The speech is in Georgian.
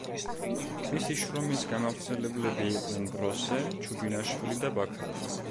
მისი შრომის გამავრცელებლები იყვნენ ბროსე, ჩუბინაშვილი და ბაქრაძე.